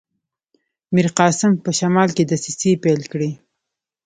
میرقاسم په شمال کې دسیسې پیل کړي.